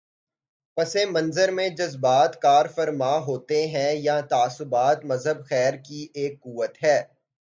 پس منظر میں جذبات کارفرما ہوتے ہیں یا تعصبات مذہب خیر کی ایک قوت ہے۔